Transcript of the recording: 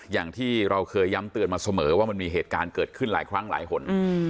อย่างที่เราเคยย้ำเตือนมาเสมอว่ามันมีเหตุการณ์เกิดขึ้นหลายครั้งหลายหน